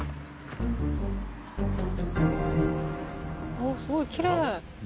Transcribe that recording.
あっすごいきれい。